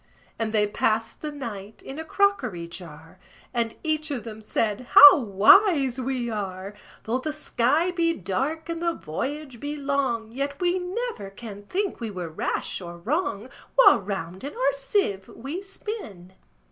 And they passed the night in a crockery jar; And each of them said, "How wise we are! Though the sky be dark, and the voyage be long, Yet we never can think we were rash or wrong, While round in our sieve we spin."